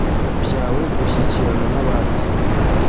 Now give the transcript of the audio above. byawe gushyikirana n abandi